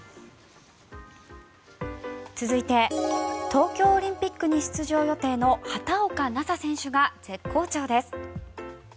続いて東京オリンピックに出場予定の畑岡奈紗選手が絶好調です。